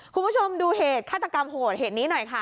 คุณผู้ชมดูเหตุฆาตกรรมโหดเหตุนี้หน่อยค่ะ